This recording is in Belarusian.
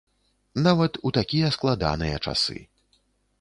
Нават у такія складаныя часы.